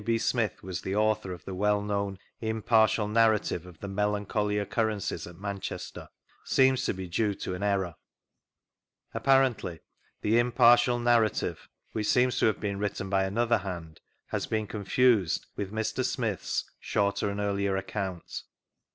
B. Smith was the author of the well known Imparlial Narra ive of the Melancholy Occurrences al Manchester seems to be due to an error; apparently th^ Impartial Narrative (which seems to have ^>een written by another hand) has been confused with Mr. Smith's shorter and earlier account.